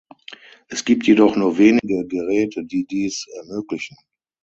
Es gibt jedoch nur wenige Geräte, die dies ermöglichen.